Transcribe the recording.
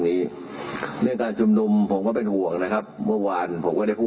มีศาสตราจารย์พิเศษวิชามหาคุณเป็นประเทศด้านกรวมความวิทยาลัยธรม